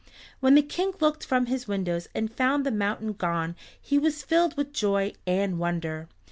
When the King looked from his windows and found the mountain gone he was filled with joy and wonder.